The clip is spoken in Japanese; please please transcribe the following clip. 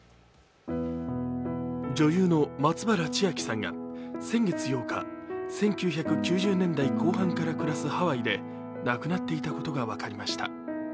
女優の松原千明さんが先月８日１９９０年代後半から暮らすハワイで亡くなっていたことが分かりました。